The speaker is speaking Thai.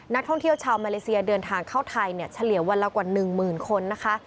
นักท่องเที่ยวชาวมาเลเซียเดินทางเข้าไทยเนี่ยเฉลี่ยวันละกว่า๑หมื่นคนนะคะ